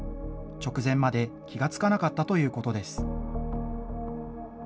直前まで気が付かなかったということです。